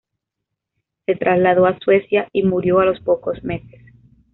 Se trasladó a Suecia y murió a los pocos meses.